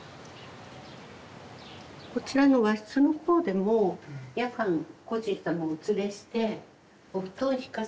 こちらの和室の方でも夜間故人様をお連れしてお布団敷かせて頂いて。